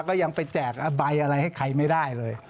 ก็ยังไปแจกใบอะไรให้ใครไม่ได้เลย